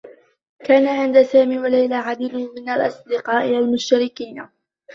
كان عند سامي و ليلى العديد من الأصدقاء المشتركين.